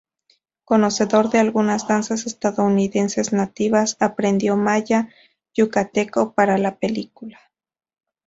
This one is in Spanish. Conocedor de algunas danzas estadounidenses nativas, aprendió maya yucateco para la película.